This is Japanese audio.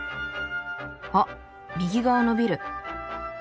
あっ右側のビル。